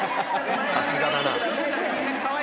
さすがだな。